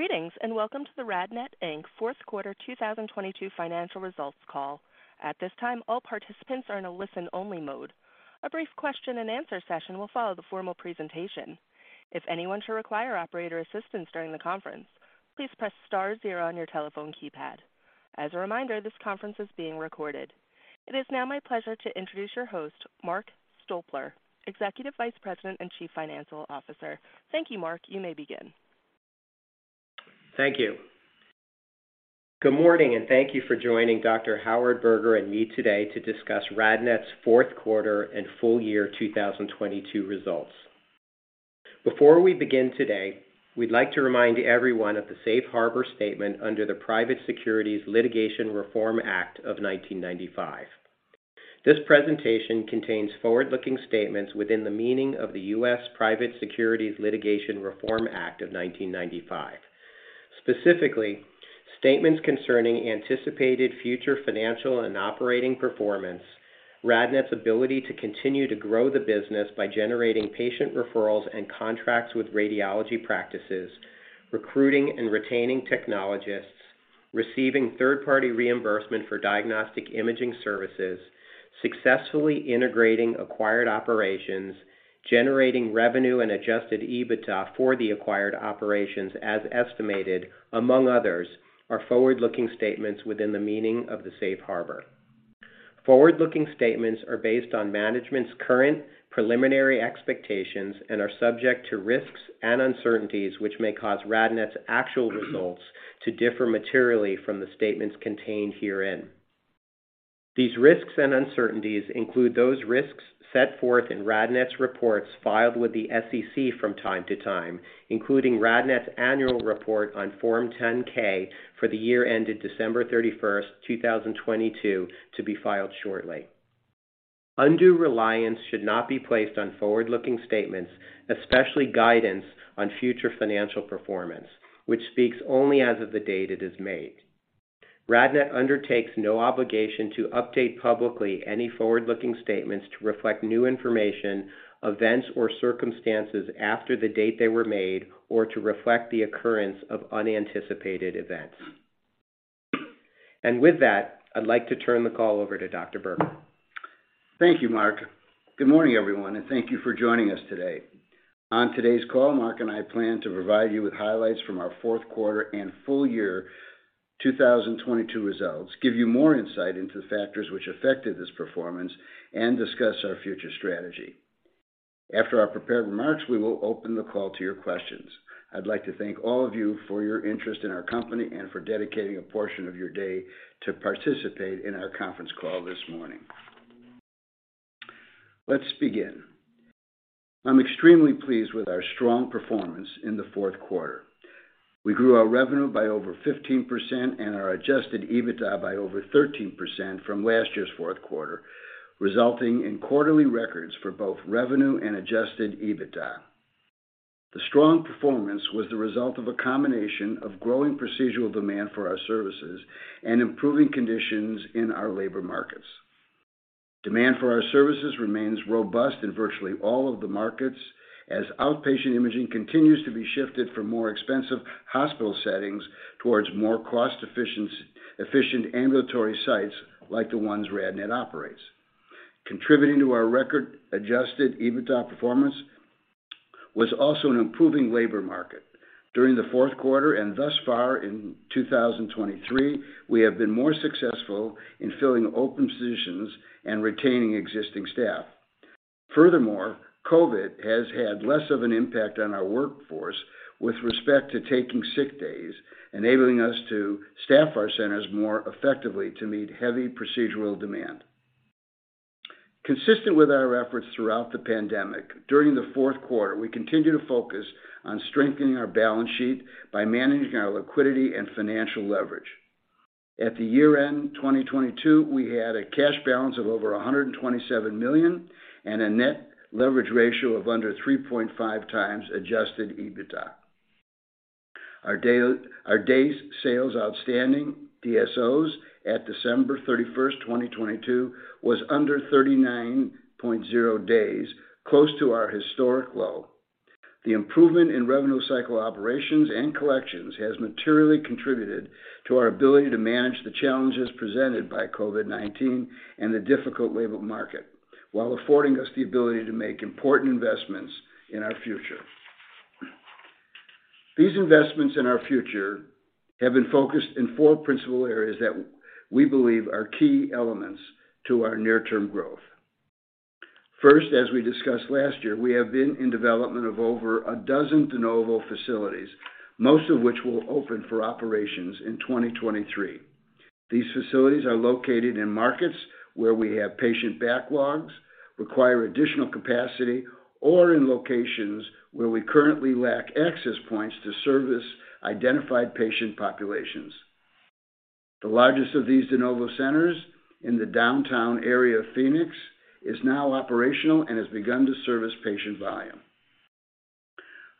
Greetings, welcome to the RadNet Inc fourth quarter 2022 financial results call. At this time, all participants are in a listen only mode. A brief question-and-answer session will follow the formal presentation. If anyone should require operator assistance during the conference, please press star zero on your telephone keypad. As a reminder, this conference is being recorded. It is now my pleasure to introduce your host, Mark Stolper, Executive Vice President and Chief Financial Officer. Thank you, Mark. You may begin. Thank you. Good morning, and thank you for joining Dr. Howard Berger and me today to discuss RadNet's fourth quarter and full year 2022 results. Before we begin today, we'd like to remind everyone of the safe harbor statement under the Private Securities Litigation Reform Act of 1995. This presentation contains forward-looking statements within the meaning of the U.S. Private Securities Litigation Reform Act of 1995. Specifically, statements concerning anticipated future financial and operating performance, RadNet's ability to continue to grow the business by generating patient referrals and contracts with radiology practices, recruiting and retaining technologists, receiving third-party reimbursement for diagnostic imaging services, successfully integrating acquired operations, generating revenue and adjusted EBITDA for the acquired operations as estimated, among others, are forward-looking statements within the meaning of the safe harbor. Forward-looking statements are based on management's current preliminary expectations and are subject to risks and uncertainties which may cause RadNet's actual results to differ materially from the statements contained herein. These risks and uncertainties include those risks set forth in RadNet's reports filed with the SEC from time to time, including RadNet's annual report on Form 10-K for the year ended December 31st, 2022, to be filed shortly. Undue reliance should not be placed on forward-looking statements, especially guidance on future financial performance, which speaks only as of the date it is made. RadNet undertakes no obligation to update publicly any forward-looking statements to reflect new information, events, or circumstances after the date they were made or to reflect the occurrence of unanticipated events. With that, I'd like to turn the call over to Dr. Berger. Thank you, Mark. Good morning, everyone, and thank you for joining us today. On today's call, Mark and I plan to provide you with highlights from our fourth quarter and full year 2022 results, give you more insight into the factors which affected this performance, and discuss our future strategy. After our prepared remarks, we will open the call to your questions. I'd like to thank all of you for your interest in our company and for dedicating a portion of your day to participate in our conference call this morning. Let's begin. I'm extremely pleased with our strong performance in the fourth quarter. We grew our revenue by over 15% and our adjusted EBITDA by over 13% from last year's fourth quarter, resulting in quarterly records for both revenue and adjusted EBITDA. The strong performance was the result of a combination of growing procedural demand for our services and improving conditions in our labor markets. Demand for our services remains robust in virtually all of the markets as outpatient imaging continues to be shifted from more expensive hospital settings towards more cost efficient ambulatory sites like the ones RadNet operates. Contributing to our record adjusted EBITDA performance was also an improving labor market. During the fourth quarter and thus far in 2023, we have been more successful in filling open positions and retaining existing staff. Furthermore, COVID has had less of an impact on our workforce with respect to taking sick days, enabling us to staff our centers more effectively to meet heavy procedural demand. Consistent with our efforts throughout the pandemic, during the fourth quarter, we continued to focus on strengthening our balance sheet by managing our liquidity and financial leverage. At the year-end 2022, we had a cash balance of over $127 million and a net leverage ratio of under 3.5x adjusted EBITDA. Our days sales outstanding, DSOs, at December 31st, 2022, was under 39.0 days, close to our historic low. The improvement in revenue cycle operations and collections has materially contributed to our ability to manage the challenges presented by COVID-19 and the difficult labor market while affording us the ability to make important investments in our future. These investments in our future have been focused in four principal areas that we believe are key elements to our near-term growth. First, as we discussed last year, we have been in development of over a dozen de novo facilities, most of which will open for operations in 2023. These facilities are located in markets where we have patient backlogs, require additional capacity, or in locations where we currently lack access points to service identified patient populations. The largest of these de novo centers in the downtown area of Phoenix is now operational and has begun to service patient volume.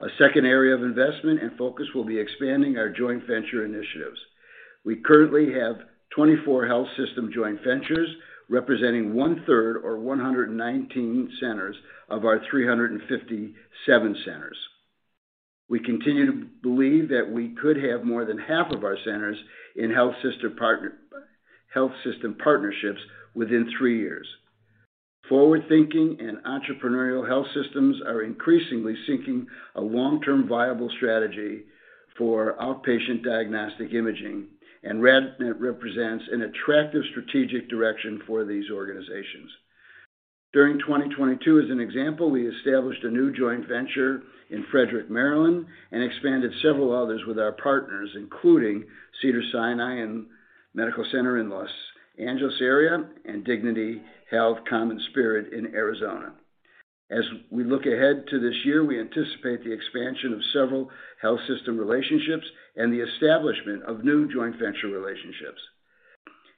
A second area of investment and focus will be expanding our joint venture initiatives. We currently have 24 health system joint ventures representing 1/3 or 119 centers of our 357 centers. We continue to believe that we could have more than half of our centers in health system partnerships within three years. Forward-thinking and entrepreneurial health systems are increasingly seeking a long-term viable strategy for outpatient diagnostic imaging, and RadNet represents an attractive strategic direction for these organizations. During 2022, as an example, we established a new joint venture in Frederick, Maryland, and expanded several others with our partners, including Cedars-Sinai Medical Center in Los Angeles area and Dignity Health, CommonSpirit in Arizona. As we look ahead to this year, we anticipate the expansion of several health system relationships and the establishment of new joint venture relationships.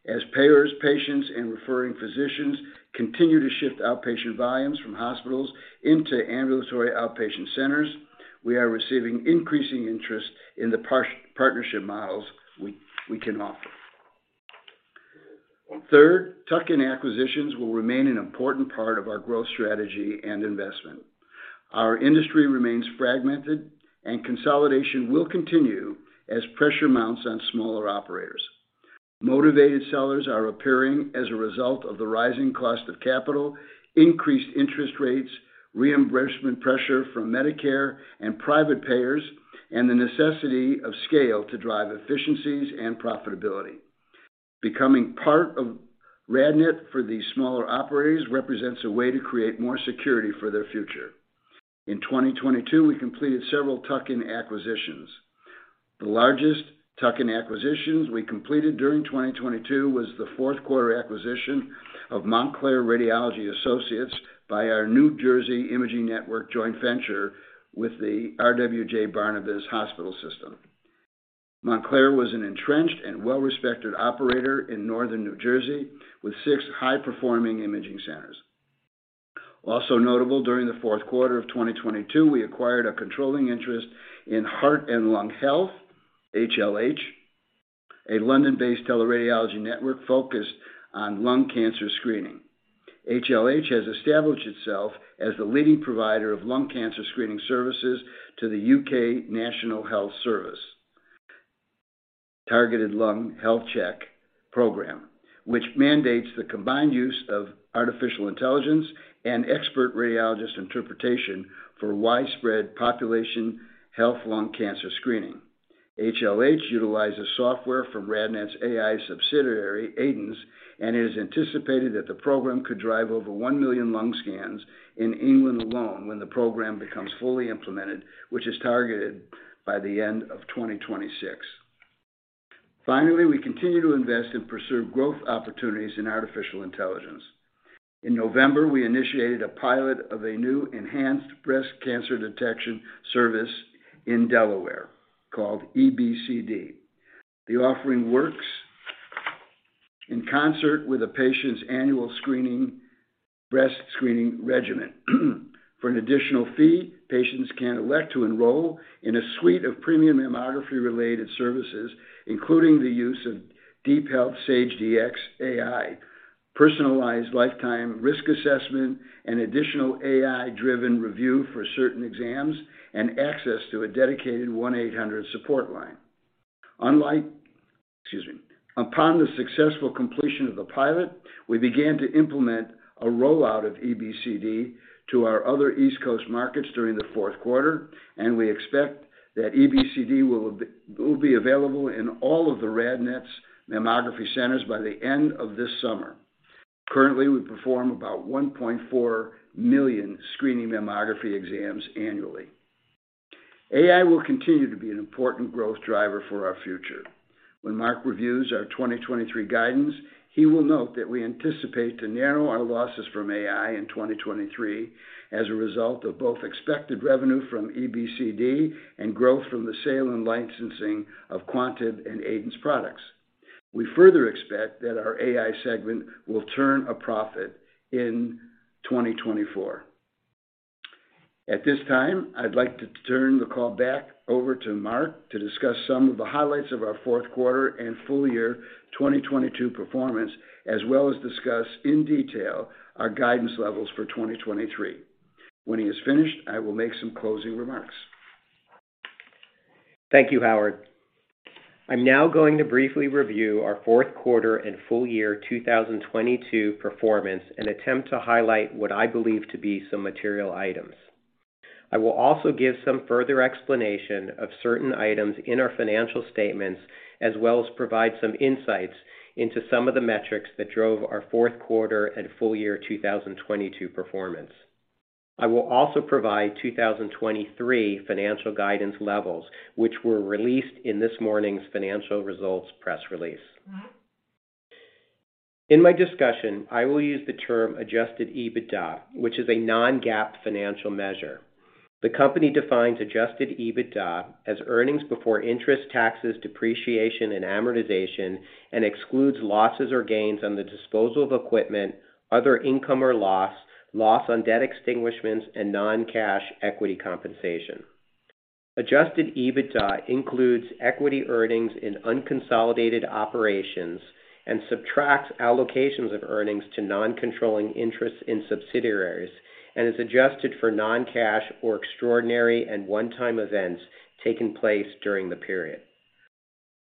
As payers, patients, and referring physicians continue to shift outpatient volumes from hospitals into ambulatory outpatient centers, we are receiving increasing interest in the part-partnership models we can offer. Third, tuck-in acquisitions will remain an important part of our growth strategy and investment. Our industry remains fragmented and consolidation will continue as pressure mounts on smaller operators. Motivated sellers are appearing as a result of the rising cost of capital, increased interest rates, reimbursement pressure from Medicare and private payers, and the necessity of scale to drive efficiencies and profitability. Becoming part of RadNet for these smaller operators represents a way to create more security for their future. In 2022, we completed several tuck-in acquisitions. The largest tuck-in acquisitions we completed during 2022 was the fourth quarter acquisition of Montclair Radiology Associates by our New Jersey Imaging Network joint venture with the RWJBarnabas Health system. Montclair was an entrenched and well-respected operator in northern New Jersey with six high-performing imaging centers. Also notable during the fourth quarter of 2022, we acquired a controlling interest in Heart & Lung Health, HLH, a London-based teleradiology network focused on lung cancer screening. HLH has established itself as the leading provider of lung cancer screening services to the U.K. National Health Service Targeted Lung Health Check programme, which mandates the combined use of artificial intelligence and expert radiologist interpretation for widespread population health lung cancer screening. HLH utilizes software from RadNet's AI subsidiary, Aidence, and it is anticipated that the programme could drive over 1 million lung scans in England alone when the programme becomes fully implemented, which is targeted by the end of 2026. Finally, we continue to invest and pursue growth opportunities in artificial intelligence. In November, we initiated a pilot of a new Enhanced Breast Cancer Detection service in Delaware called EBCD. The offering works in concert with a patient's annual breast screening regimen. For an additional fee, patients can elect to enroll in a suite of premium mammography-related services, including the use of DeepHealth Saige-Dx AI, personalized lifetime risk assessment and additional AI-driven review for certain exams, and access to a dedicated 1-800 support line. Excuse me. Upon the successful completion of the pilot, we began to implement a rollout of EBCD to our other East Coast markets during the fourth quarter, and we expect that EBCD will be available in all of the RadNet's mammography centers by the end of this summer. Currently, we perform about 1.4 million screening mammography exams annually. AI will continue to be an important growth driver for our future. When Mark reviews our 2023 guidance, he will note that we anticipate to narrow our losses from AI in 2023 as a result of both expected revenue from EBCD and growth from the sale and licensing of Quantib and Aidence products. We further expect that our AI segment will turn a profit in 2024. At this time, I'd like to turn the call back over to Mark to discuss some of the highlights of our fourth quarter and full year 2022 performance, as well as discuss in detail our guidance levels for 2023. When he is finished, I will make some closing remarks. Thank you, Howard. I'm now going to briefly review our fourth quarter and full year 2022 performance and attempt to highlight what I believe to be some material items. I will also give some further explanation of certain items in our financial statements, as well as provide some insights into some of the metrics that drove our fourth quarter and full year 2022 performance. I will also provide 2023 financial guidance levels, which were released in this morning's financial results press release. In my discussion, I will use the term adjusted EBITDA, which is a non-GAAP financial measure. The company defines adjusted EBITDA as earnings before interest, taxes, depreciation, and amortization and excludes losses or gains on the disposal of equipment, other income or loss on debt extinguishments, and non-cash equity compensation. Adjusted EBITDA includes equity earnings in unconsolidated operations and subtracts allocations of earnings to non-controlling interests in subsidiaries and is adjusted for non-cash or extraordinary and one-time events taking place during the period.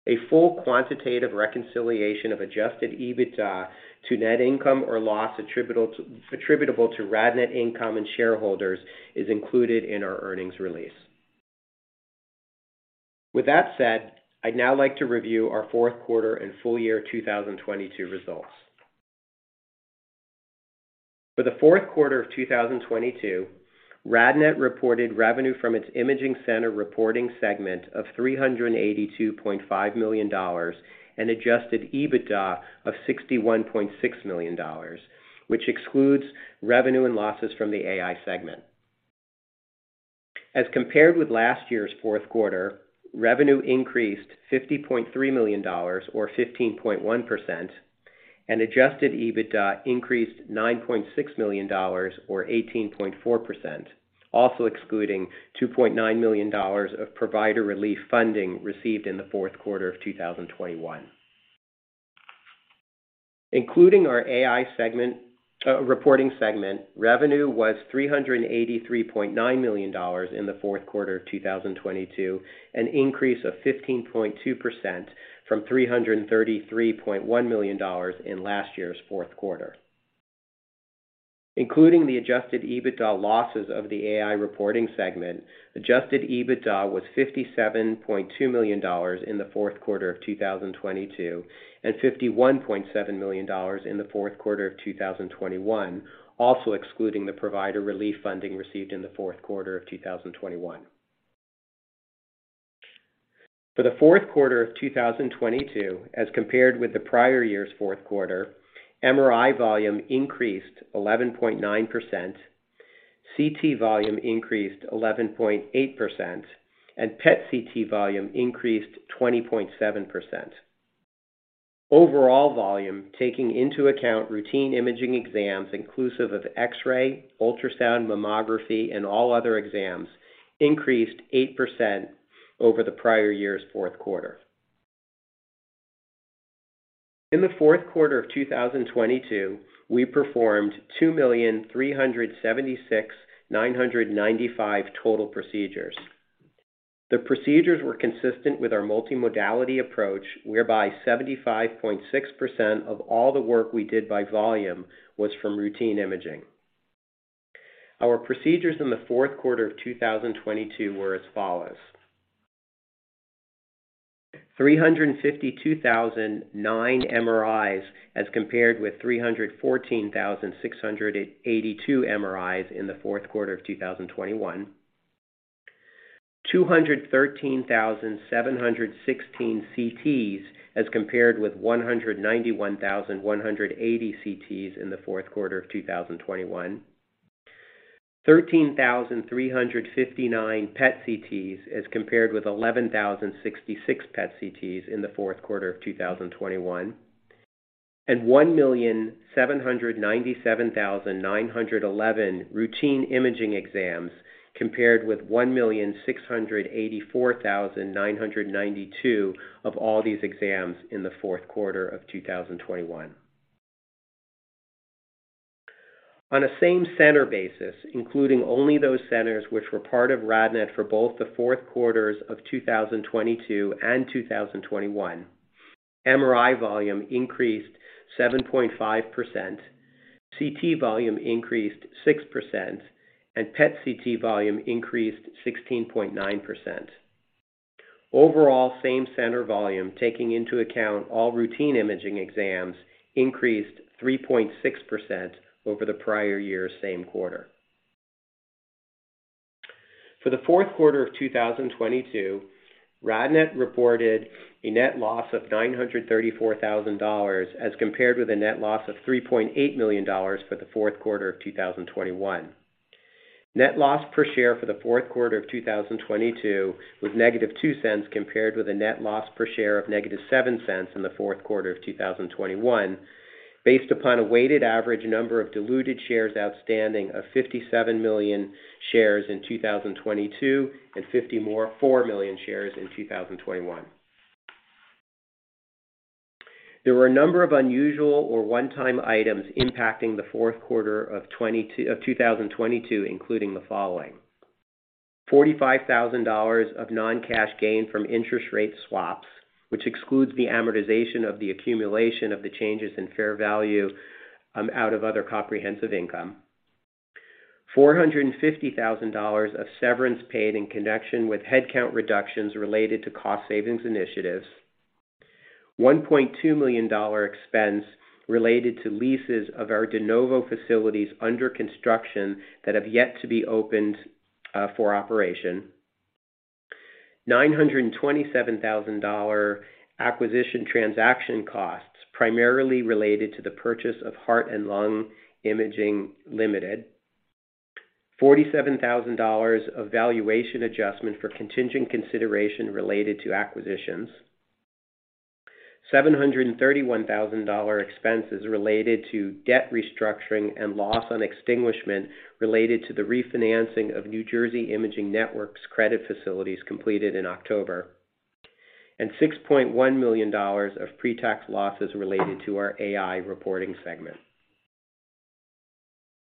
A full quantitative reconciliation of adjusted EBITDA to net income or loss attributable to RadNet income and shareholders is included in our earnings release. With that said, I'd now like to review our fourth quarter and full year 2022 results. For the fourth quarter of 2022, RadNet reported revenue from its imaging center reporting segment of $382.5 million and adjusted EBITDA of $61.6 million, which excludes revenue and losses from the AI segment. As compared with last year's fourth quarter, revenue increased $50.3 million or 15.1%, and adjusted EBITDA increased $9.6 million or 18.4%, also excluding $2.9 million of provider relief funding received in the fourth quarter of 2021. Including our AI segment, reporting segment, revenue was $383.9 million in the fourth quarter of 2022, an increase of 15.2% from $333.1 million in last year's fourth quarter. Including the adjusted EBITDA losses of the AI reporting segment, adjusted EBITDA was $57.2 million in the fourth quarter of 2022 and $51.7 million in the fourth quarter of 2021, also excluding the Provider Relief Fund received in the fourth quarter of 2021. For the fourth quarter of 2022, as compared with the prior year's fourth quarter, MRI volume increased 11.9%, CT volume increased 11.8%, and PET/CT volume increased 20.7%. Overall volume, taking into account routine imaging exams inclusive of X-ray, ultrasound, mammography, and all other exams, increased 8% over the prior year's fourth quarter. In the fourth quarter of 2022, we performed 2,376,995 total procedures. The procedures were consistent with our multimodality approach, whereby 75.6% of all the work we did by volume was from routine imaging. Our procedures in the fourth quarter of 2022 were as follows: 352,009 MRIs as compared with 314,682 MRIs in the fourth quarter of 2021. 213,716 CTs as compared with 191,180 CTs in the fourth quarter of 2021. 13,359 PET/CTs as compared with 11,066 PET/CTs in the fourth quarter of 2021. 1,797,911 routine imaging exams compared with 1,684,992 of all these exams in the fourth quarter of 2021. On a same-center basis, including only those centers which were part of RadNet for both the fourth quarters of 2022 and 2021, MRI volume increased 7.5%, CT volume increased 6%, and PET/CT volume increased 16.9%. Overall same-center volume, taking into account all routine imaging exams, increased 3.6% over the prior year's same quarter. For the fourth quarter of 2022, RadNet reported a net loss of $934,000 as compared with a net loss of $3.8 million for the fourth quarter of 2021. Net loss per share for the fourth quarter of 2022 was -$0.02 compared with a net loss per share of -$0.07 in the fourth quarter of 2021. Based upon a weighted average number of diluted shares outstanding of 57 million shares in 2022 and 50 more 4 million shares in 2021. There were a number of unusual or one-time items impacting the fourth quarter of 2022, including the following: $45,000 of non-cash gain from interest rate swaps, which excludes the amortization of the accumulation of the changes in fair value out of other comprehensive income. $450,000 of severance paid in connection with headcount reductions related to cost savings initiatives. $1.2 million expense related to leases of our de novo facilities under construction that have yet to be opened for operation. $927,000 acquisition transaction costs primarily related to the purchase of Heart and Lung Imaging Ltd. $47,000 of valuation adjustment for contingent consideration related to acquisitions. $731,000 expenses related to debt restructuring and loss on extinguishment related to the refinancing of New Jersey Imaging Network's credit facilities completed in October, and $6.1 million of pre-tax losses related to our AI reporting segment.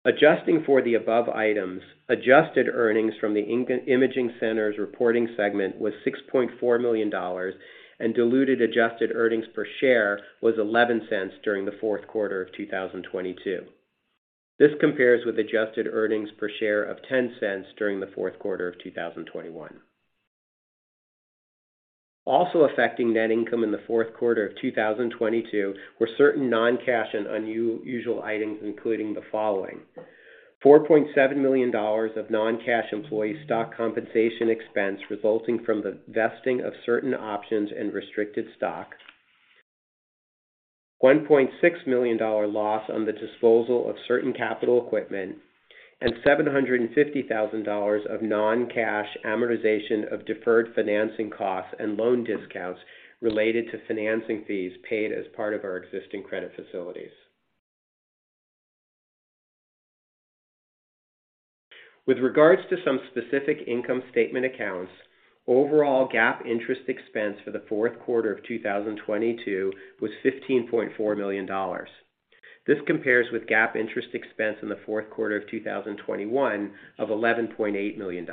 Adjusting for the above items, adjusted earnings from the Imaging Center's reporting segment was $6.4 million, and diluted adjusted earnings per share was $0.11 during the fourth quarter of 2022. This compares with adjusted earnings per share of $0.10 during the fourth quarter of 2021. Also affecting net income in the fourth quarter of 2022 were certain non-cash and unusual items, including the following: $4.7 million of non-cash employee stock compensation expense resulting from the vesting of certain options and restricted stock. $1.6 million loss on the disposal of certain capital equipment, and $750,000 of non-cash amortization of deferred financing costs and loan discounts related to financing fees paid as part of our existing credit facilities. With regards to some specific income statement accounts, overall GAAP interest expense for the fourth quarter of 2022 was $15.4 million. This compares with GAAP interest expense in the fourth quarter of 2021 of $11.8 million.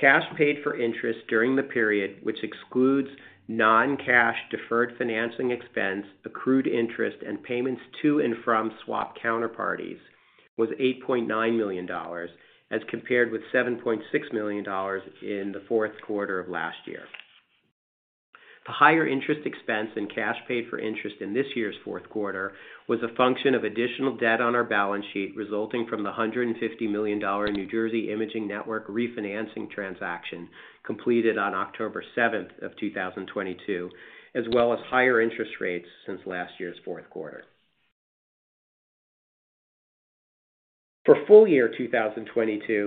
Cash paid for interest during the period, which excludes non-cash deferred financing expense, accrued interest, and payments to and from swap counterparties, was $8.9 million, as compared with $7.6 million in the fourth quarter of last year. The higher interest expense and cash paid for interest in this year's fourth quarter was a function of additional debt on our balance sheet, resulting from the $150 million New Jersey Imaging Network refinancing transaction completed on October 7th, 2022, as well as higher interest rates since last year's fourth quarter. For full year 2022,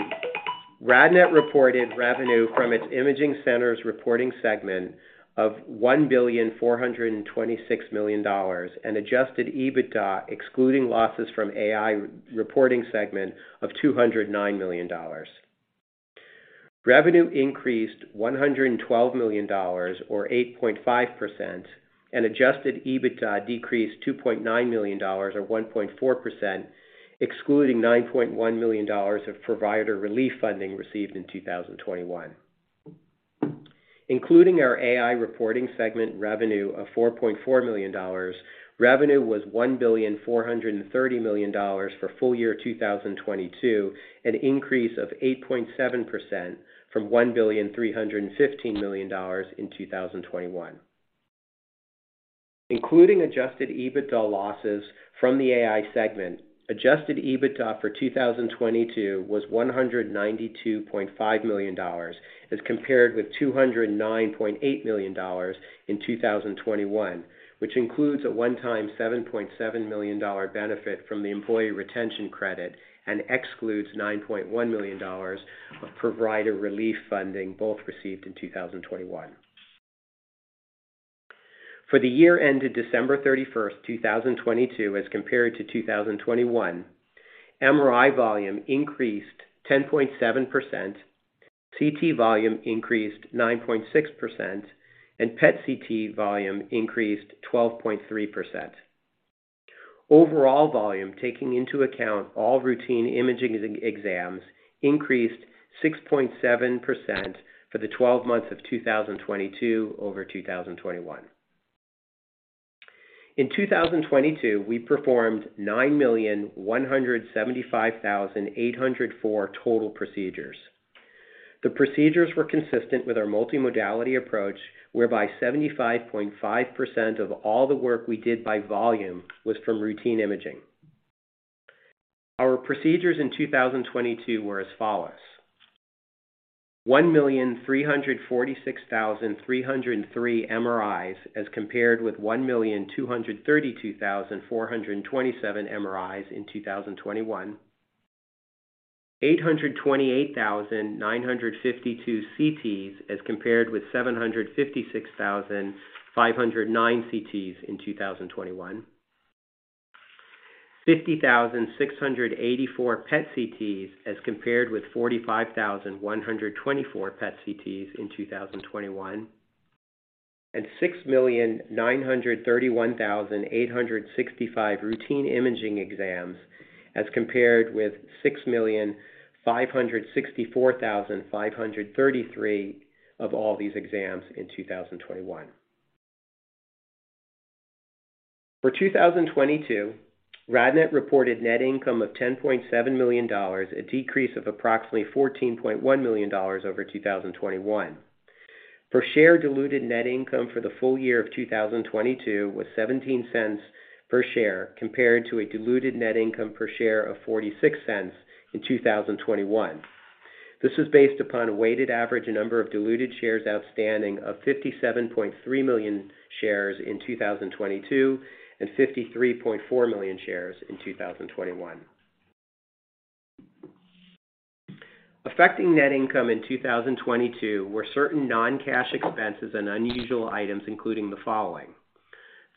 RadNet reported revenue from its imaging centers reporting segment of $1,426,000,000 and adjusted EBITDA excluding losses from AI reporting segment of $209 million. Revenue increased $112 million or 8.5%, and adjusted EBITDA decreased $2.9 million or 1.4%, excluding $9.1 million of provider relief funding received in 2021. Including our AI reporting segment revenue of $4.4 million, revenue was $1,430,000,000 for full year 2022, an increase of 8.7% from $1,315,000,000 in 2021. Including adjusted EBITDA losses from the AI segment, adjusted EBITDA for 2022 was $192.5 million as compared with $209.8 million in 2021, which includes a one-time $7.7 million benefit from the Employee Retention Credit and excludes $9.1 million of provider relief funding, both received in 2021. For the year ended December 31st, 2022, as compared to 2021, MRI volume increased 10.7%, CT volume increased 9.6%, and PET/CT volume increased 12.3%. Overall volume, taking into account all routine imaging exams, increased 6.7% for the 12 months of 2022 over 2021. In 2022, we performed 9,175,804 total procedures. The procedures were consistent with our multimodality approach, whereby 75.5% of all the work we did by volume was from routine imaging. Our procedures in 2022 were as follows: 1,346,303 MRIs as compared with 1,232,427 MRIs in 2021. 828,952 CTs as compared with 756,509 CTs in 2021. 50,684 PET/CTs as compared with 45,124 PET/CTs in 2021. 6,931,865 routine imaging exams as compared with 6,564,533 of all these exams in 2021. For 2022, RadNet reported net income of $10.7 million, a decrease of approximately $14.1 million over 2021. Per share diluted net income for the full year of 2022 was $0.17 per share compared to a diluted net income per share of $0.46 in 2021. This was based upon a weighted average number of diluted shares outstanding of 57.3 million shares in 2022 and 53.4 million shares in 2021. Affecting net income in 2022 were certain non-cash expenses and unusual items, including the following: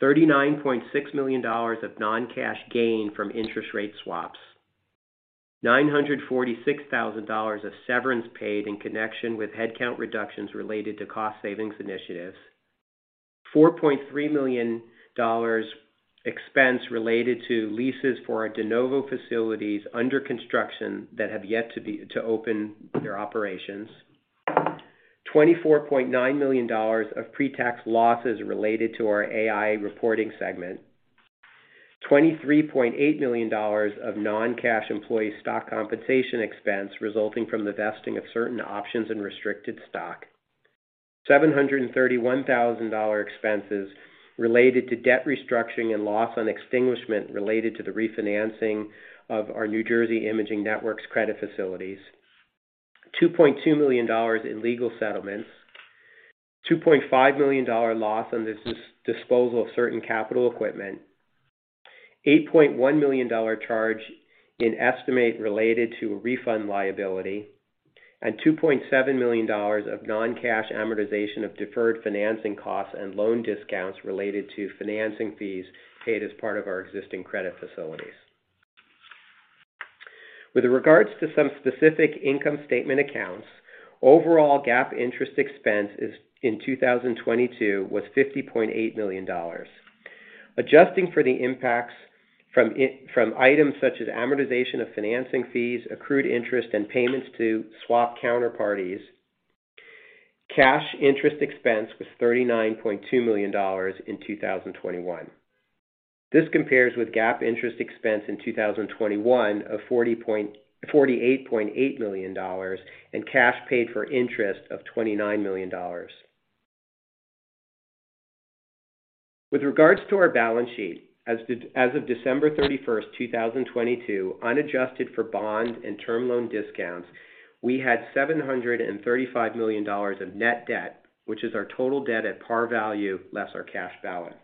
$39.6 million of non-cash gain from interest rate swaps, $946,000 of severance paid in connection with headcount reductions related to cost savings initiatives, $4.3 million expense related to leases for our de novo facilities under construction that have yet to open their operations, $24.9 million of pre-tax losses related to our AI reporting segment, $23.8 million of non-cash employee stock compensation expense resulting from the vesting of certain options and restricted stock, $731,000 expenses related to debt restructuring and loss on extinguishment related to the refinancing of our New Jersey Imaging Network credit facilities, $2.2 million in legal settlements, $2.5 million loss on disposal of certain capital equipment, $8.1 million charge in estimate related to a refund liability, and $2.7 million of non-cash amortization of deferred financing costs and loan discounts related to financing fees paid as part of our existing credit facilities. With regards to some specific income statement accounts, overall GAAP interest expense in 2022 was $50.8 million. Adjusting for the impacts from items such as amortization of financing fees, accrued interest and payments to swap counterparties, cash interest expense was $39.2 million in 2021. This compares with GAAP interest expense in 2021 of $48.8 million and cash paid for interest of $29 million. With regards to our balance sheet, as of December 31st, 2022, unadjusted for bond and term loan discounts, we had $735 million of net debt, which is our total debt at par value less our cash balance.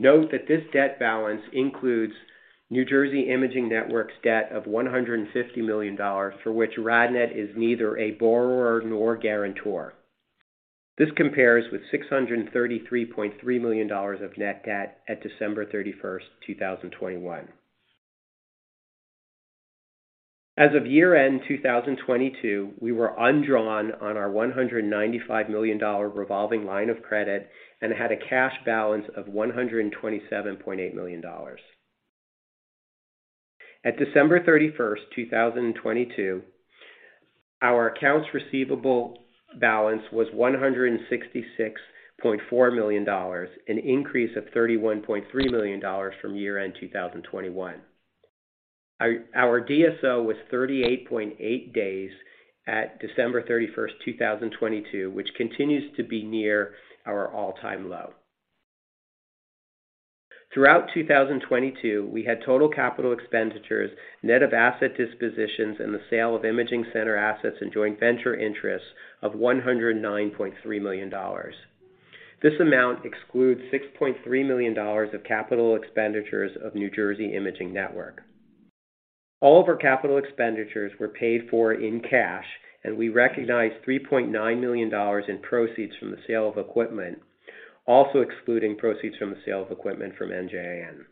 Note that this debt balance includes New Jersey Imaging Network's debt of $150 million, for which RadNet is neither a borrower nor guarantor. This compares with $633.3 million of net debt at December 31st, 2021. As of year-end 2022, we were undrawn on our $195 million revolving line of credit and had a cash balance of $127.8 million. At December 31st, 2022, our accounts receivable balance was $166.4 million, an increase of $31.3 million from year-end 2021. Our DSO was 38.8 days at December 31st, 2022, which continues to be near our all-time low. Throughout 2022, we had total capital expenditures net of asset dispositions and the sale of imaging center assets and joint venture interests of $109.3 million. This amount excludes $6.3 million of capital expenditures of New Jersey Imaging Network. All of our capital expenditures were paid for in cash, and we recognized $3.9 million in proceeds from the sale of equipment, also excluding proceeds from the sale of equipment from NJIN.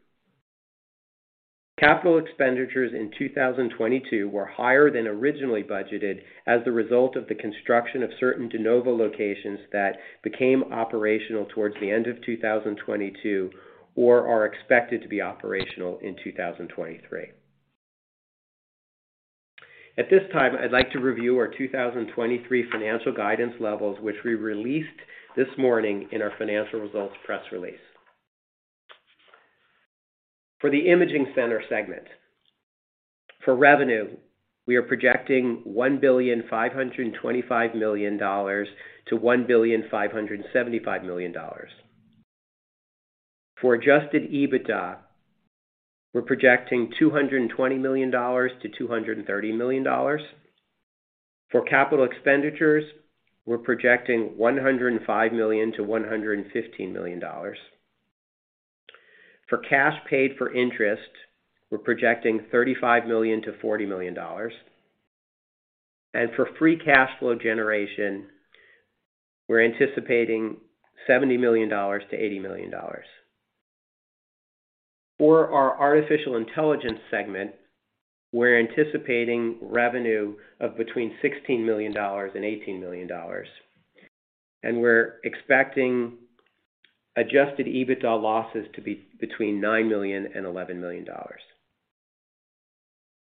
Capital expenditures in 2022 were higher than originally budgeted as the result of the construction of certain de novo locations that became operational towards the end of 2022, or are expected to be operational in 2023. At this time, I'd like to review our 2023 financial guidance levels, which we released this morning in our financial results press release. For the Imaging Center segment, for revenue, we are projecting $1,525,000,000-$1,575,000,000. For adjusted EBITDA, we're projecting $220 million-$230 million. For capital expenditures, we're projecting $105 million-$115 million. For cash paid for interest, we're projecting $35 million-$40 million. For free cash flow generation, we're anticipating $70 million-$80 million. For our artificial intelligence segment, we're anticipating revenue of between $16 million and $18 million, and we're expecting adjusted EBITDA losses to be between $9 million and $11 million.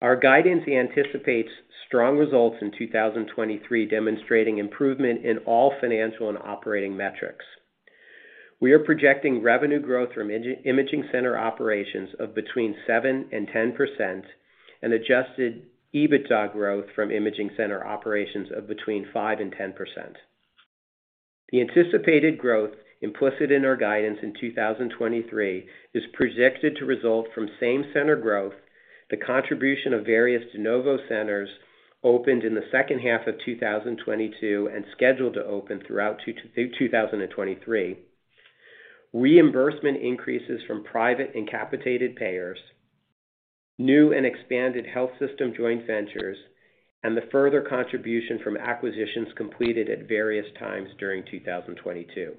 Our guidance anticipates strong results in 2023, demonstrating improvement in all financial and operating metrics. We are projecting revenue growth from imaging center operations of between 7% and 10% and adjusted EBITDA growth from imaging center operations of between 5% and 10%. The anticipated growth implicit in our guidance in 2023 is projected to result from same center growth, the contribution of various de novo centers opened in the second half of 2022 and scheduled to open throughout 2023. Reimbursement increases from private and capitated payers, new and expanded health system joint ventures, and the further contribution from acquisitions completed at various times during 2022.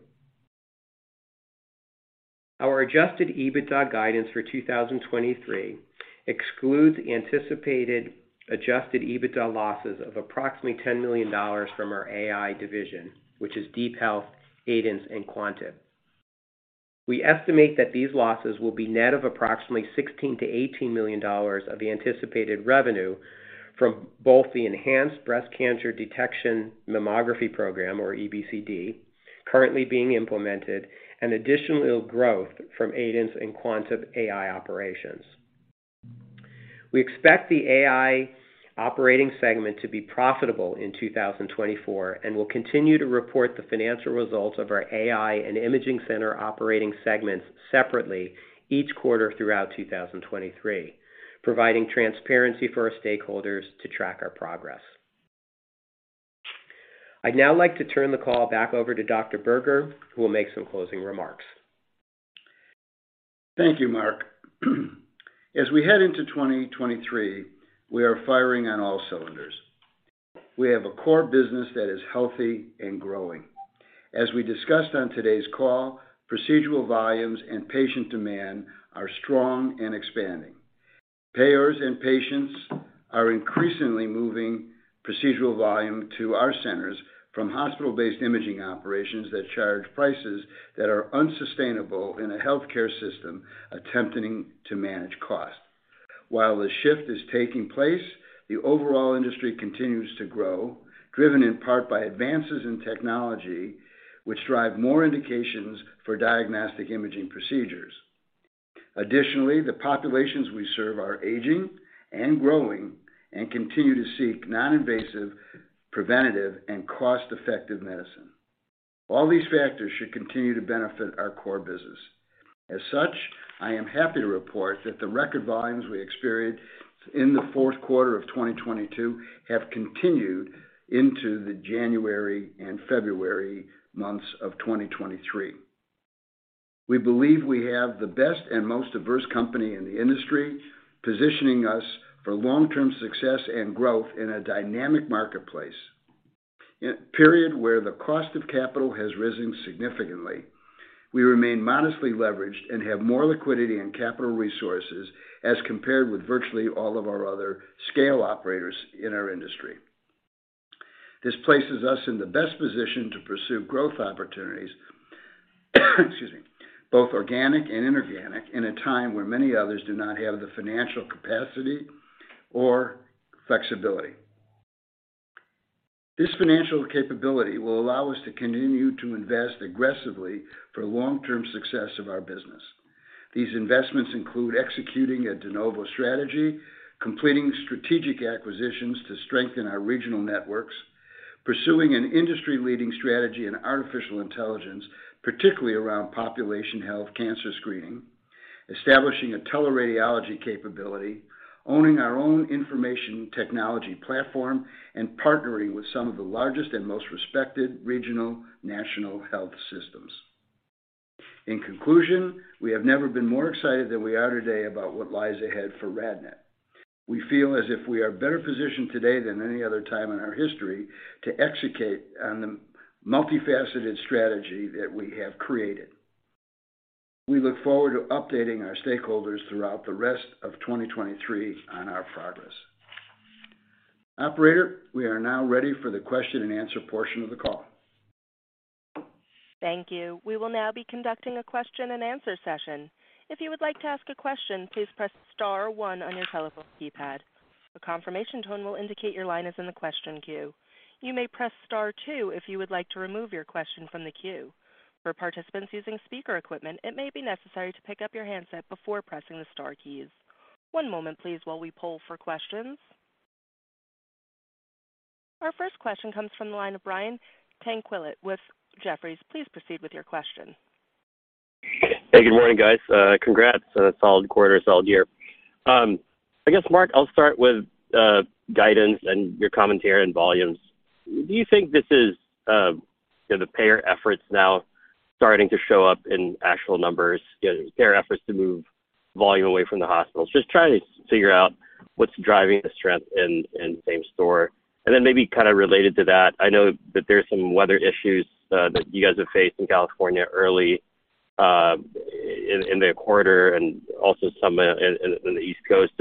Our adjusted EBITDA guidance for 2023 excludes anticipated adjusted EBITDA losses of approximately $10 million from our AI division, which is DeepHealth, Aidence, and Quantib. We estimate that these losses will be net of approximately $16 million-$18 million of the anticipated revenue from both the Enhanced Breast Cancer Detection program, or EBCD, currently being implemented, and additional growth from Aidence and Quantib AI operations. We expect the AI operating segment to be profitable in 2024 and will continue to report the financial results of our AI and Imaging Center operating segments separately each quarter throughout 2023, providing transparency for our stakeholders to track our progress. I'd now like to turn the call back over to Dr. Berger, who will make some closing remarks. Thank you, Mark. As we head into 2023, we are firing on all cylinders. We have a core business that is healthy and growing. As we discussed on today's call, procedural volumes and patient demand are strong and expanding. Payers and patients are increasingly moving procedural volume to our centers from hospital-based imaging operations that charge prices that are unsustainable in a healthcare system attempting to manage cost. While the shift is taking place, the overall industry continues to grow, driven in part by advances in technology, which drive more indications for diagnostic imaging procedures. Additionally, the populations we serve are aging and growing and continue to seek non-invasive, preventative, and cost-effective medicine. All these factors should continue to benefit our core business. As such, I am happy to report that the record volumes we experienced in the fourth quarter of 2022 have continued into the January and February months of 2023. We believe we have the best and most diverse company in the industry, positioning us for long-term success and growth in a dynamic marketplace. In a period where the cost of capital has risen significantly, we remain modestly leveraged and have more liquidity and capital resources as compared with virtually all of our other scale operators in our industry. This places us in the best position to pursue growth opportunities, excuse me, both organic and inorganic, in a time where many others do not have the financial capacity or flexibility. This financial capability will allow us to continue to invest aggressively for long-term success of our business. These investments include executing a de novo strategy, completing strategic acquisitions to strengthen our regional networks, pursuing an industry-leading strategy in artificial intelligence, particularly around population health cancer screening, establishing a teleradiology capability, owning our own information technology platform, and partnering with some of the largest and most respected regional national health systems. In conclusion, we have never been more excited than we are today about what lies ahead for RadNet. We feel as if we are better positioned today than any other time in our history to execute on the multifaceted strategy that we have created. We look forward to updating our stakeholders throughout the rest of 2023 on our progress. Operator, we are now ready for the question-and-answer portion of the call. Thank you. We will now be conducting a question-and-answer session. If you would like to ask a question, please press star one on your telephone keypad. A confirmation tone will indicate your line is in the question queue. You may press star two if you would like to remove your question from the queue. For participants using speaker equipment, it may be necessary to pick up your handset before pressing the star keys. One moment, please, while we poll for questions. Our first question comes from the line of Brian Tanquilut with Jefferies. Please proceed with your question. Hey, good morning, guys. Congrats on a solid quarter, solid year. I guess, Mark, I'll start with guidance and your commentary on volumes. Do you think this is, you know, the payer efforts now starting to show up in actual numbers, you know, their efforts to move volume away from the hospitals? Just trying to figure out what's driving the strength in same store? Maybe kind of related to that, I know that there's some weather issues that you guys have faced in California early in the quarter and also some in the East Coast.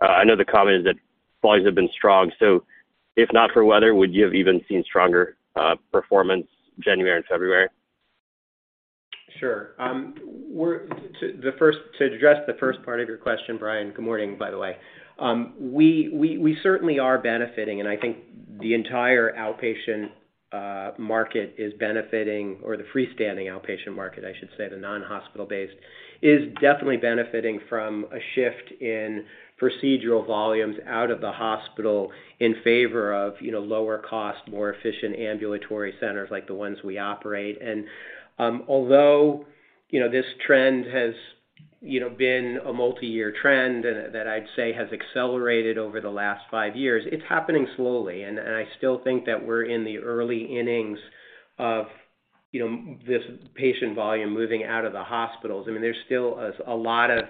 I know the comment is that volumes have been strong. If not for weather, would you have even seen stronger performance January and February? Sure. To address the first part of your question, Brian, good morning, by the way. We certainly are benefiting, and I think the entire outpatient market is benefiting or the freestanding outpatient market, I should say, the non-hospital-based, is definitely benefiting from a shift in procedural volumes out of the hospital in favor of, you know, lower cost, more efficient ambulatory centers like the ones we operate. Although, you know, this trend has been a multiyear trend that I'd say has accelerated over the last five years. It's happening slowly, and I still think that we're in the early innings of this patient volume moving out of the hospitals. I mean, there's still a lot of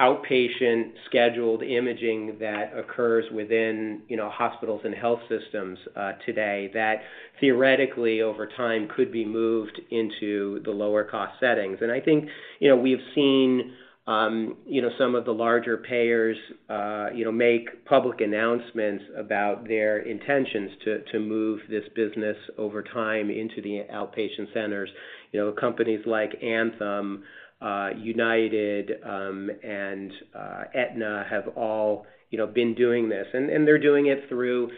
outpatient scheduled imaging that occurs within, you know, hospitals and health systems today that theoretically, over time, could be moved into the lower cost settings. I think, you know, we've seen some of the larger payers, you know, make public announcements about their intentions to move this business over time into the outpatient centers. Companies like Anthem, United, and Aetna have all, you know, been doing this. They're doing it through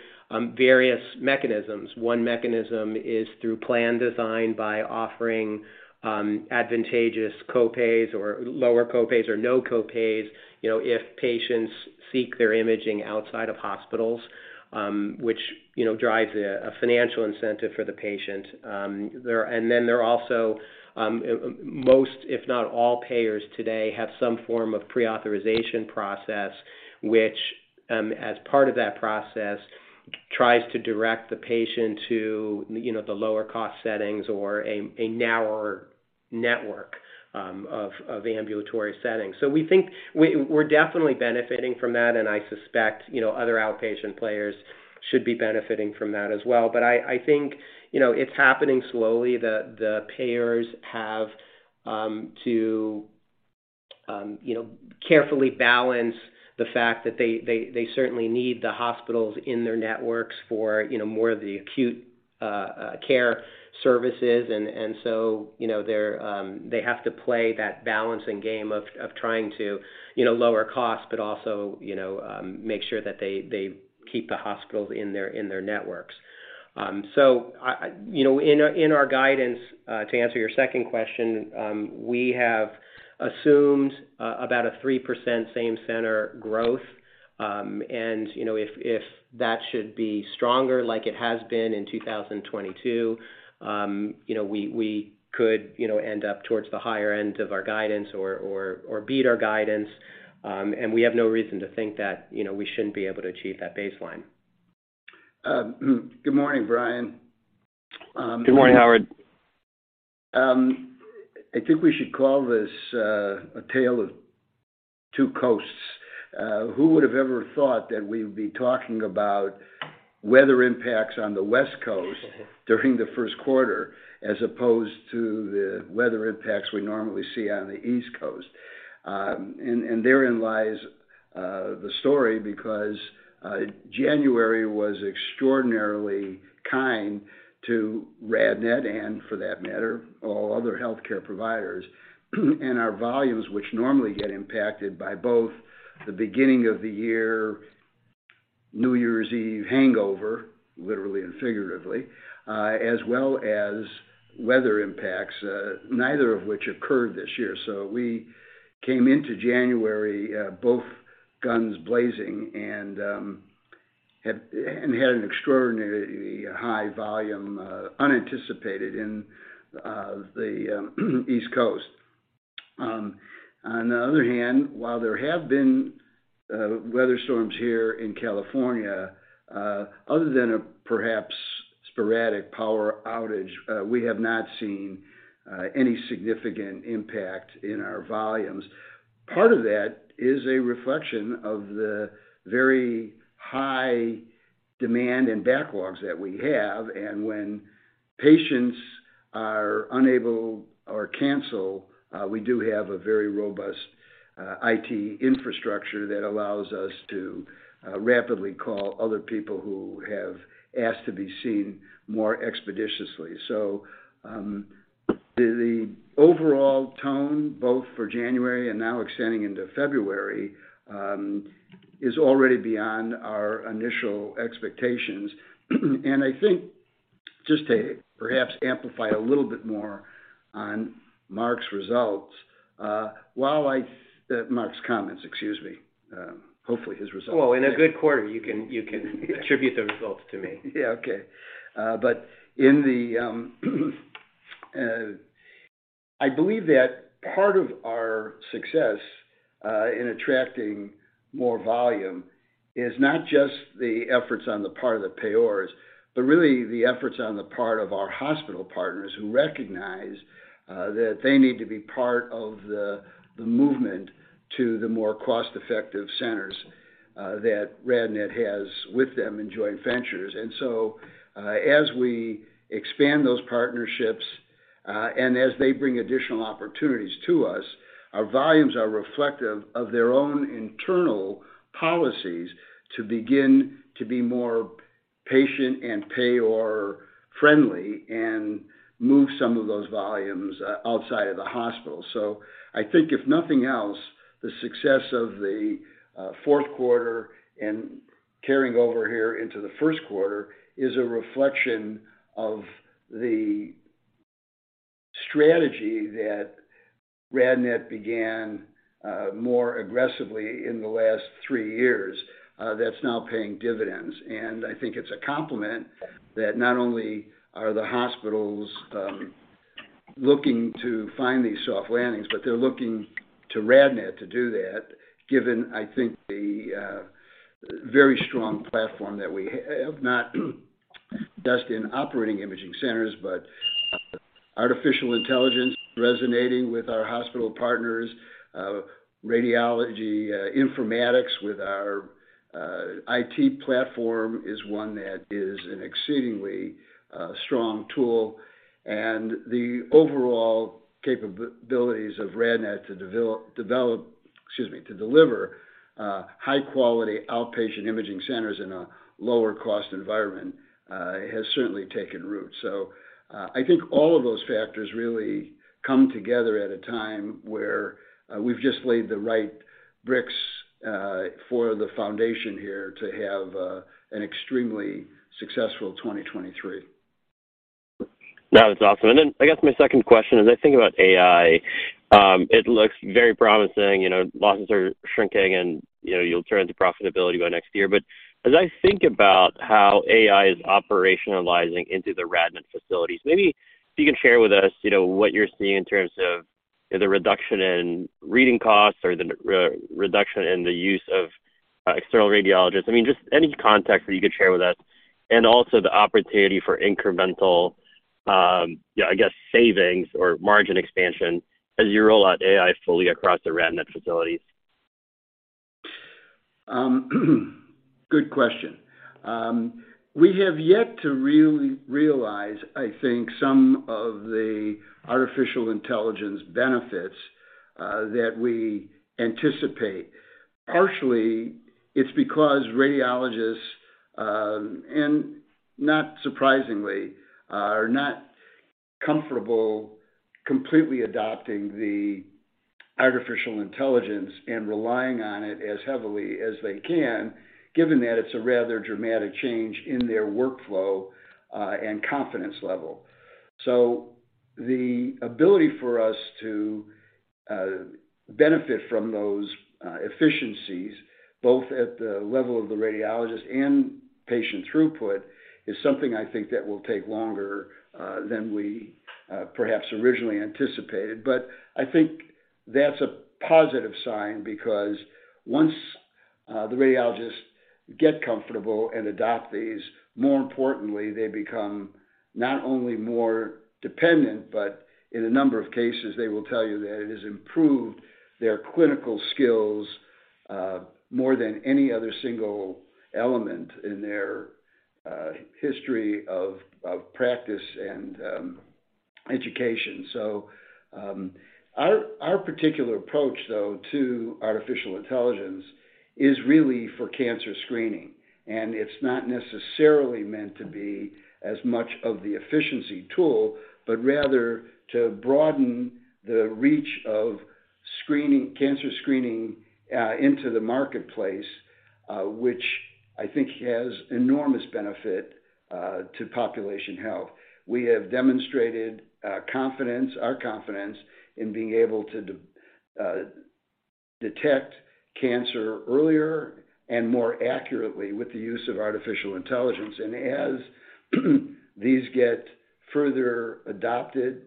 various mechanisms. One mechanism is through plan design by offering advantageous co-pays or lower co-pays or no co-pays, you know, if patients seek their imaging outside of hospitals, which, you know, drives a financial incentive for the patient. Then there are also, most, if not all, payers today have some form of pre-authorization process, which, as part of that process, tries to direct the patient to, you know, the lower cost settings or a narrower network of ambulatory settings. We think we're definitely benefiting from that, and I suspect, you know, other outpatient players should be benefiting from that as well. I think, you know, it's happening slowly. The payers have to, you know, carefully balance the fact that they certainly need the hospitals in their networks for, you know, more of the acute care services. You know, they have to play that balancing game of trying to, you know, lower costs, but also, you know, make sure that they keep the hospitals in their networks. You know, in our guidance, to answer your second question, we have assumed about a 3% same center growth. You know, if that should be stronger like it has been in 2022, you know, we could, you know, end up towards the higher end of our guidance or beat our guidance. We have no reason to think that, you know, we shouldn't be able to achieve that baseline. Good morning, Brian. Good morning, Howard. I think we should call this a tale of two coasts. Who would have ever thought that we'd be talking about weather impacts on the West Coast during the first quarter as opposed to the weather impacts we normally see on the East Coast? Therein lies the story because January was extraordinarily kind to RadNet and for that matter, all other healthcare providers. Our volumes, which normally get impacted by both the beginning of the year, New Year's Eve hangover, literally and figuratively, as well as weather impacts, neither of which occurred this year. We came into January both guns blazing and had an extraordinarily high volume unanticipated in the East Coast. On the other hand, while there have been weather storms here in California, other than a perhaps sporadic power outage, we have not seen any significant impact in our volumes. Part of that is a reflection of the very high demand and backlogs that we have. When patients are unable or cancel, we do have a very robust IT infrastructure that allows us to rapidly call other people who have asked to be seen more expeditiously. The overall tone, both for January and now extending into February, is already beyond our initial expectations. I think just to perhaps amplify a little bit more on Mark's results, while Mark's comments, excuse me, hopefully his results- Well, in a good quarter, you can attribute the results to me. Yeah. Okay. I believe that part of our success in attracting more volume is not just the efforts on the part of the payers, but really the efforts on the part of our hospital partners who recognize that they need to be part of the movement to the more cost-effective centers that RadNet has with them in joint ventures. As we expand those partnerships, and as they bring additional opportunities to us, our volumes are reflective of their own internal policies to begin to be more patient and payer-friendly and move some of those volumes outside of the hospital. I think if nothing else, the success of the fourth quarter and carrying over here into the first quarter is a reflection of the strategy that RadNet began more aggressively in the last three years that's now paying dividends. I think it's a compliment that not only are the hospitals looking to find these soft landings, but they're looking to RadNet to do that, given, I think, the very strong platform that we have, not just in operating imaging centers, but artificial intelligence resonating with our hospital partners, radiology informatics with our IT platform is one that is an exceedingly strong tool. The overall capabilities of RadNet to develop, excuse me, to deliver, high-quality outpatient imaging centers in a lower-cost environment has certainly taken root. I think all of those factors really come together at a time where, we've just laid the right bricks, for the foundation here to have, an extremely successful 2023. That was awesome. I guess my second question, as I think about AI, it looks very promising. You know, losses are shrinking, and, you know, you'll turn to profitability by next year. As I think about how AI is operationalizing into the RadNet facilities, maybe if you can share with us, you know, what you're seeing in terms of the reduction in reading costs or the re-reduction in the use of external radiologists, I mean, just any context that you could share with us, and also the opportunity for incremental, I guess, savings or margin expansion as you roll out AI fully across the RadNet facilities? Good question. We have yet to really realize, I think, some of the artificial intelligence benefits that we anticipate. Partially, it's because radiologists, and not surprisingly, are not comfortable completely adopting the artificial intelligence and relying on it as heavily as they can, given that it's a rather dramatic change in their workflow and confidence level. The ability for us to benefit from those efficiencies, both at the level of the radiologist and patient throughput, is something I think that will take longer than we perhaps originally anticipated. I think that's a positive sign because once the radiologists get comfortable and adopt these, more importantly, they become not only more dependent, but in a number of cases, they will tell you that it has improved their clinical skills more than any other single element in their history of practice and education. Our particular approach, though, to artificial intelligence is really for cancer screening. It's not necessarily meant to be as much of the efficiency tool, but rather to broaden the reach of screening, cancer screening, into the marketplace, which I think has enormous benefit to population health. We have demonstrated confidence, our confidence in being able to detect cancer earlier and more accurately with the use of artificial intelligence. as these get further adopted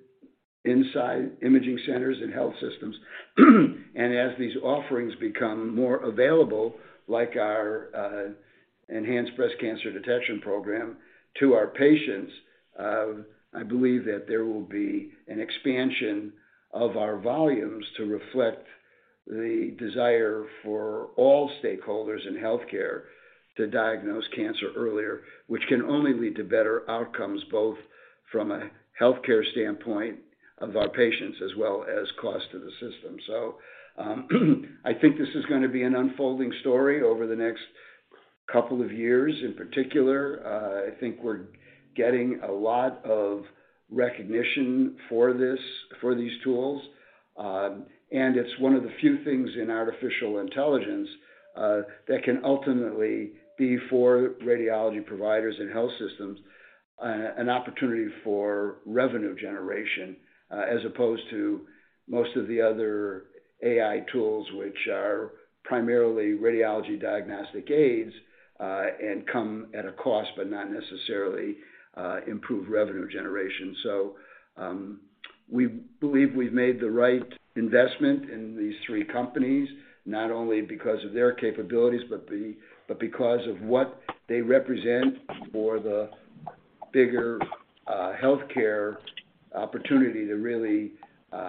inside imaging centers and health systems, and as these offerings become more available, like our Enhanced Breast Cancer Detection program to our patients, I believe that there will be an expansion of our volumes to reflect the desire for all stakeholders in healthcare to diagnose cancer earlier, which can only lead to better outcomes, both from a healthcare standpoint of our patients as well as cost to the system. I think this is gonna be an unfolding story over the next couple of years. In particular, I think we're getting a lot of recognition for this, for these tools. It's one of the few things in artificial intelligence that can ultimately be for radiology providers and health systems an opportunity for revenue generation, as opposed to most of the other AI tools, which are primarily radiology diagnostic aids, and come at a cost, but not necessarily improve revenue generation. We believe we've made the right investment in these three companies, not only because of their capabilities, but because of what they represent for the bigger healthcare opportunity to really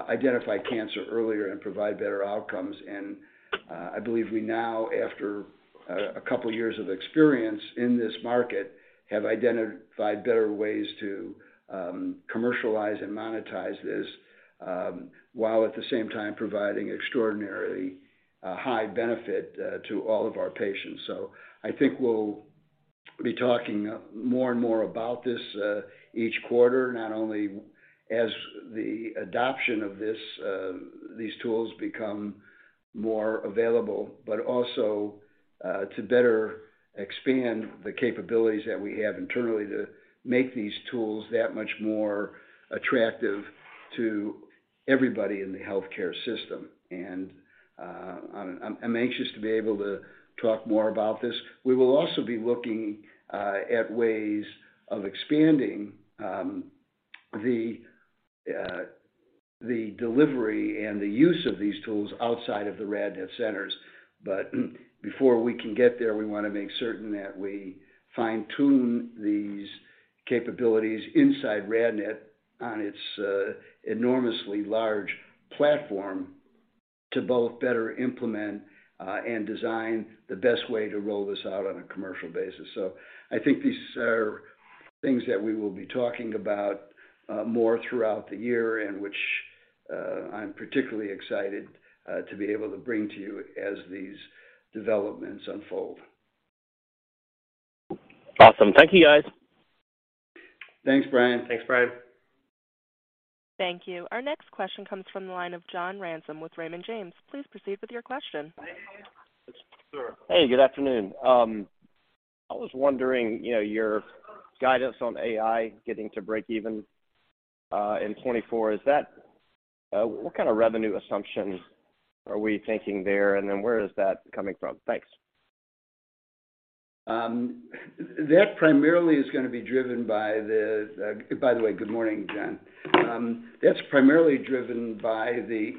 identify cancer earlier and provide better outcomes. I believe we now, after a couple of years of experience in this market, have identified better ways to commercialize and monetize this, while at the same time providing extraordinarily high benefit to all of our patients. I think we'll be talking more and more about this each quarter, not only as the adoption of these tools become more available, but also to better expand the capabilities that we have internally to make these tools that much more attractive to everybody in the healthcare system. I'm anxious to be able to talk more about this. We will also be looking at ways of expanding the delivery and the use of these tools outside of the RadNet centers. Before we can get there, we wanna make certain that we fine-tune these capabilities inside RadNet on its enormously large platform to both better implement and design the best way to roll this out on a commercial basis. I think these are things that we will be talking about, more throughout the year, and which, I'm particularly excited, to be able to bring to you as these developments unfold. Awesome. Thank you, guys. Thanks, Brian. Thanks, Brian. Thank you. Our next question comes from the line of John Ransom with Raymond James. Please proceed with your question. Sure. Hey, good afternoon. I was wondering, you know, your guidance on AI getting to breakeven, in 2024, what kind of revenue assumptions are we thinking there? Then where is that coming from? Thanks. That primarily is going to be driven By the way, good morning, John. That's primarily driven by the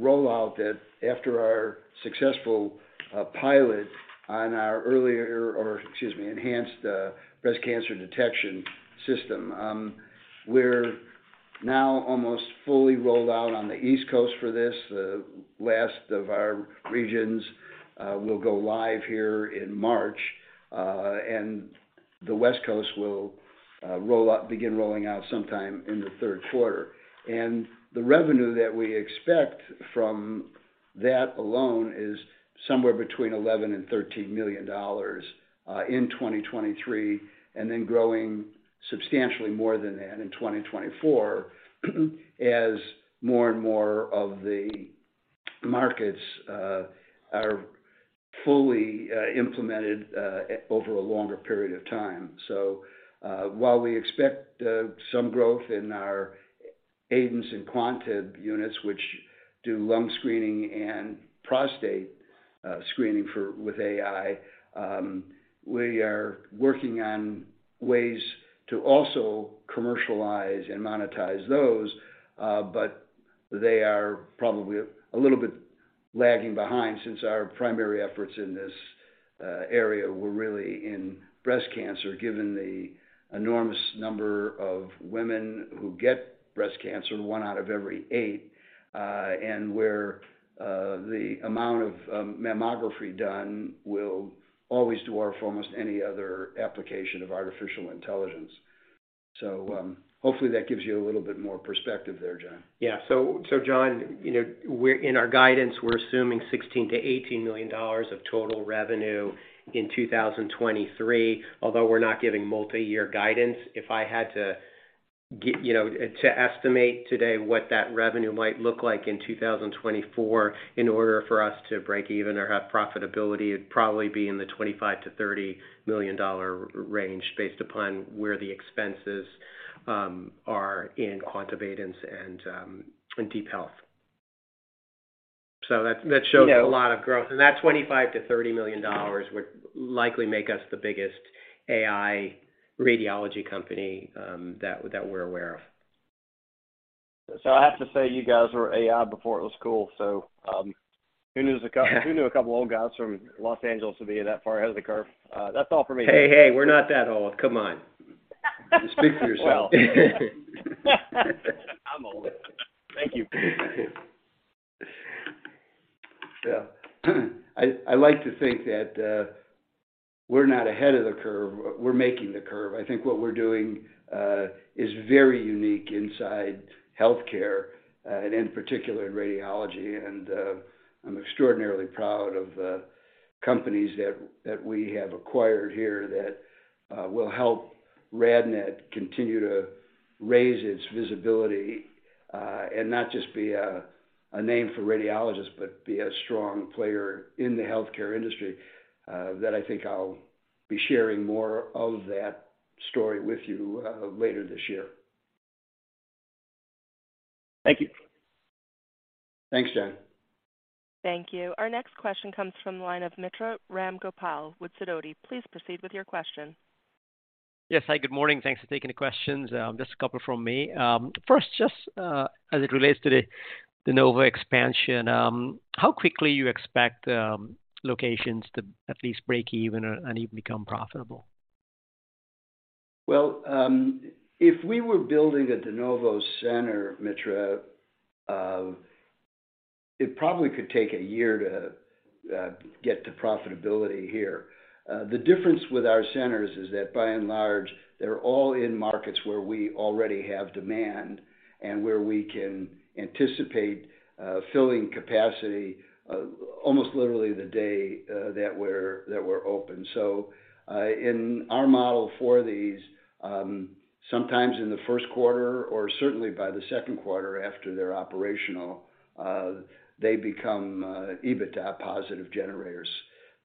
rollout that after our successful pilot on our excuse me, Enhanced Breast Cancer Detection system, we're now almost fully rolled out on the East Coast for this. The last of our regions will go live here in March, and the West Coast will begin rolling out sometime in the third quarter. The revenue that we expect from that alone is somewhere between $11 million and $13 million in 2023, and then growing substantially more than that in 2024, as more and more of the markets are fully implemented over a longer period of time. While we expect some growth in our Aidence and Quantib units, which do lung screening and prostate screening with AI, we are working on ways to also commercialize and monetize those, but they are probably a little bit lagging behind since our primary efforts in this area were really in breast cancer, given the enormous number of women who get breast cancer, one out of every eight, and where the amount of mammography done will always dwarf almost any other application of artificial intelligence. Hopefully, that gives you a little bit more perspective there, John. Yeah. John, you know, in our guidance, we're assuming $16 million-$18 million of total revenue in 2023. Although we're not giving multiyear guidance, if I had to, you know, to estimate today what that revenue might look like in 2024, in order for us to break even or have profitability, it'd probably be in the $25 million-$30 million range based upon where the expenses are in Quantib, Aidence and in DeepHealth. That shows a lot of growth. That $25 million-$30 million would likely make us the biggest AI radiology company that we're aware of. I have to say, you guys were AI before it was cool, Who knew a couple of old guys from Los Angeles would be that far ahead of the curve? That's all for me. Hey, hey, we're not that old. Come on. Speak for yourself. Well, I'm old. Thank you. Yeah. I like to think that we're not ahead of the curve, we're making the curve. I think what we're doing is very unique inside healthcare and in particular in radiology. I'm extraordinarily proud of the companies that we have acquired here that will help RadNet continue to raise its visibility and not just be a name for radiologists, but be a strong player in the healthcare industry that I think I'll be sharing more of that story with you later this year. Thank you. Thanks, John. Thank you. Our next question comes from the line of Mitra Ramgopal with Sidoti. Please proceed with your question. Yes. Hi, good morning. Thanks for taking the questions. just a couple from me. first, just as it relates to the de novo expansion, how quickly you expect locations to at least break even or, and even become profitable? If we were building a de novo center, Mitra, it probably could take a year to get to profitability here. The difference with our centers is that by and large, they're all in markets where we already have demand and where we can anticipate filling capacity almost literally the day that we're open. In our model for these, sometimes in the first quarter or certainly by the second quarter after they're operational, they become EBITDA positive generators.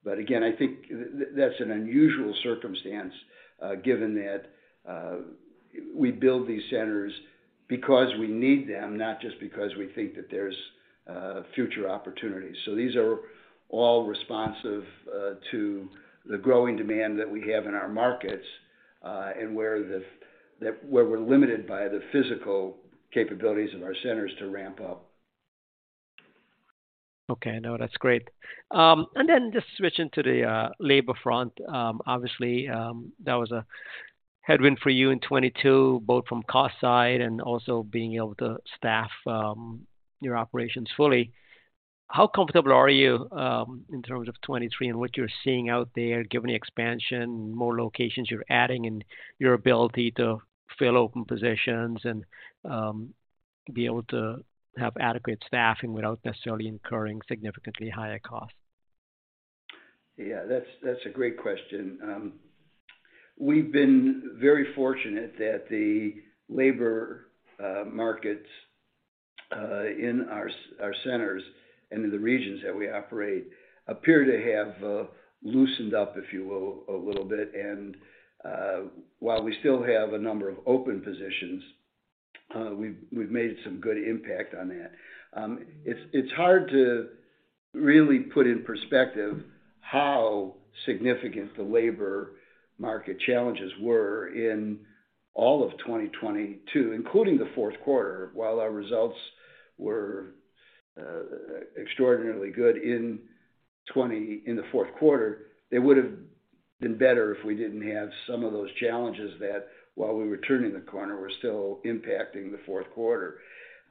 Again, I think that's an unusual circumstance, given that we build these centers because we need them, not just because we think that there's future opportunities. These are all responsive to the growing demand that we have in our markets, and where we're limited by the physical capabilities of our centers to ramp up. Okay. No, that's great. Then just switching to the labor front, obviously, that was a headwind for you in 2022, both from cost side and also being able to staff your operations fully. How comfortable are you in terms of 2023 and what you're seeing out there, given the expansion, more locations you're adding, and your ability to fill open positions and be able to have adequate staffing without necessarily incurring significantly higher costs? Yeah, that's a great question. We've been very fortunate that the labor markets in our centers and in the regions that we operate appear to have loosened up, if you will, a little bit. While we still have a number of open positions, we've made some good impact on that. It's hard to really put in perspective how significant the labor market challenges were in all of 2022, including the fourth quarter. While our results were extraordinarily good in the fourth quarter, they would've been better if we didn't have some of those challenges that while we were turning the corner, were still impacting the fourth quarter.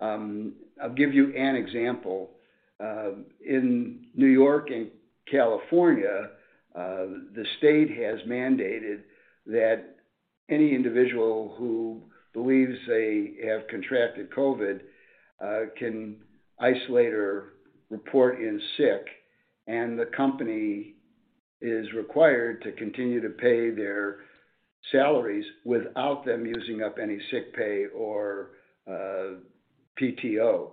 I'll give you an example. In New York and California, the state has mandated that any individual who believes they have contracted COVID can isolate or report in sick, the company is required to continue to pay their salaries without them using up any sick pay or PTO.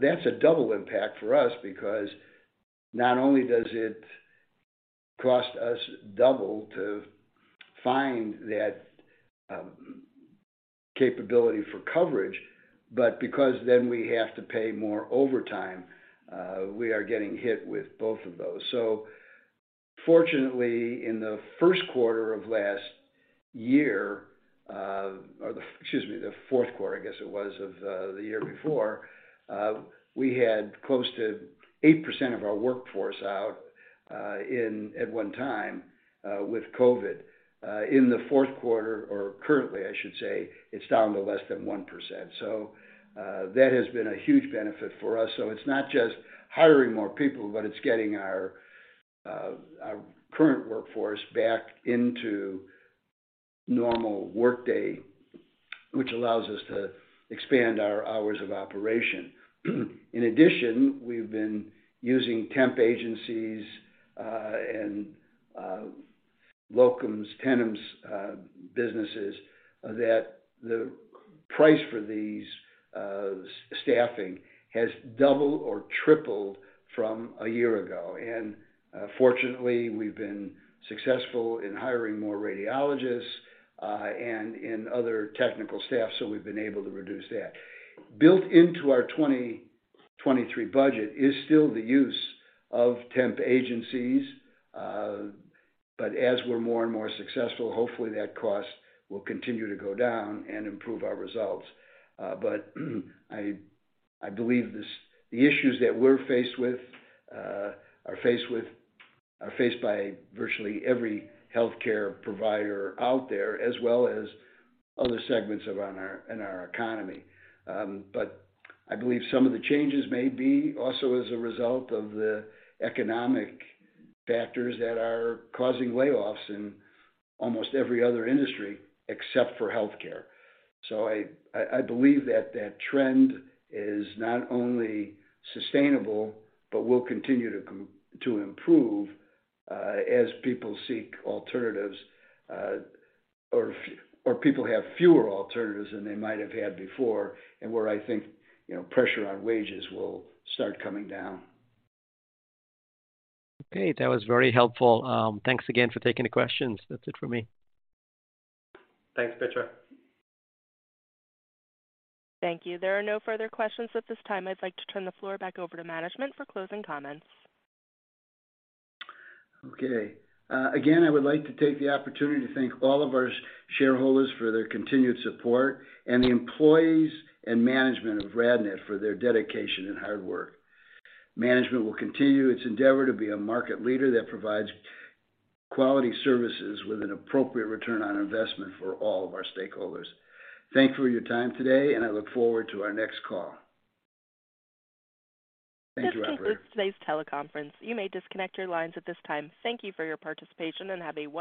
That's a double impact for us because not only does it cost us double to find that capability for coverage, because then we have to pay more overtime, we are getting hit with both of those. Fortunately, in the first quarter of last year, Or the, excuse me, the fourth quarter, I guess it was, of the year before, we had close to 8% of our workforce out at one time with COVID. In the fourth quarter, or currently I should say, it's down to less than 1%. That has been a huge benefit for us. It's not just hiring more people, but it's getting our current workforce back into normal workday, which allows us to expand our hours of operation. In addition, we've been using temp agencies, and locum tenens businesses that the price for these staffing has doubled or tripled from a year ago. Fortunately, we've been successful in hiring more radiologists and in other technical staff, so we've been able to reduce that. Built into our 2023 budget is still the use of temp agencies, but as we're more and more successful, hopefully that cost will continue to go down and improve our results. I believe the issues that we're faced with, are faced by virtually every healthcare provider out there, as well as other segments in our economy. I believe some of the changes may be also as a result of the economic factors that are causing layoffs in almost every other industry, except for healthcare. I, I believe that that trend is not only sustainable, but will continue to improve, as people seek alternatives, or people have fewer alternatives than they might have had before, and where I think, you know, pressure on wages will start coming down. Okay. That was very helpful. Thanks again for taking the questions. That's it for me. Thanks, Mitra. Thank you. There are no further questions at this time. I'd like to turn the floor back over to management for closing comments. Okay. Again, I would like to take the opportunity to thank all of our shareholders for their continued support, and the employees and management of RadNet for their dedication and hard work. Management will continue its endeavor to be a market leader that provides quality services with an appropriate return on investment for all of our stakeholders. Thank you for your time today, and I look forward to our next call. Thank you, operator. This concludes today's teleconference. You may disconnect your lines at this time. Thank you for your participation, and have a wonderful day.